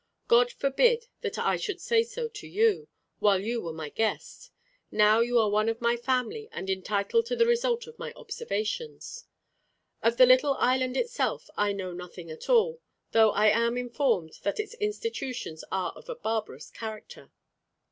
God forbid that I should say so to you, while you were my guest. Now you are one of my family, and entitled to the result of my observations. Of the little island itself I know nothing at all, though I am informed that its institutions are of a barbarous character."